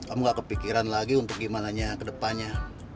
om gak kepikiran lagi untuk gimana ke depannya